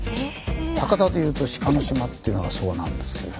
博多でいうと志賀島っていうのがそうなんですけれどね。